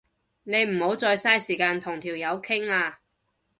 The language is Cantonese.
你唔好再嘥時間同條友傾啦